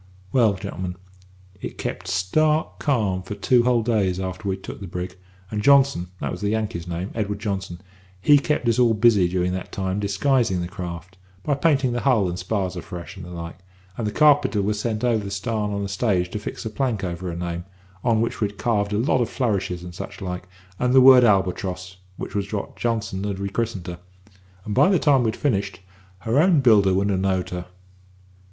"Well, gentlemen, it kept stark calm for two whole days after we'd took the brig, and Johnson that was the Yankee's name, Edward Johnson he kept us all busy during that time disguising the craft, by painting the hull and spars afresh, and such like; and the carpenter he was sent over the starn on a stage to fix a plank over the name, on which he'd carved a lot of flourishes and such like, and the word Albatross, which was what Johnson had re christened her, and by the time we'd finished, her own builder wouldn't have knowed her.